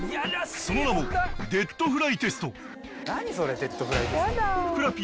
その名もデッド・フライ・テストふくらＰ